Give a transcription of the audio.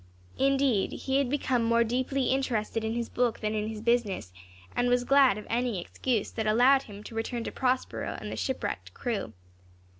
Indeed, he had become more deeply interested in his book than in his business, and was glad of any excuse that allowed him to return to Prospero and the shipwrecked crew.